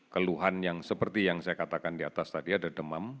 keluhan yang seperti yang saya katakan di atas tadi ada demam